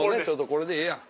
これでええやん。